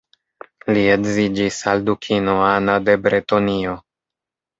Li edziĝis al dukino Ana de Bretonio.